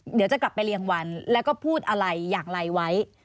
เดี๋ยวจะกลับไปเรียงวันแล้วก็พูดอะไรอย่างไรไว้